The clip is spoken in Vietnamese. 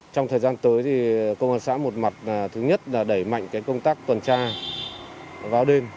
trong thời gian tới thì công an xã một mặt thứ nhất là đẩy mạnh công tác tuần tra vào đêm